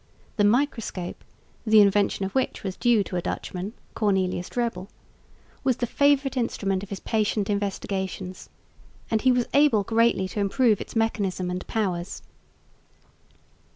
The microscope (the invention of which was due to a Dutchman, Cornelius Drebbel) was the favourite instrument of his patient investigations, and he was able greatly to improve its mechanism and powers.